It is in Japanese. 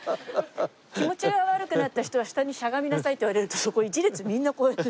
気持ちが悪くなった人は下にしゃがみなさいって言われるとそこ１列みんなこうやって。